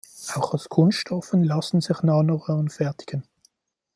Auch aus Kunststoffen lassen sich Nanoröhren fertigen.